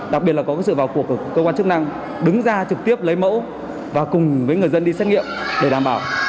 đặc biệt là có sự vào cuộc của cơ quan chức năng đứng ra trực tiếp lấy mẫu và cùng với người dân đi xét nghiệm để đảm bảo